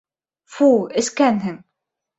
Фу, эскәнһең.